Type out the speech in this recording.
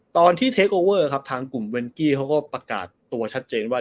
เทคโอเวอร์ครับทางกลุ่มเวนกี้เขาก็ประกาศตัวชัดเจนว่า